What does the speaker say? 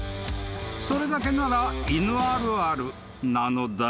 ［それだけなら犬あるあるなのだが］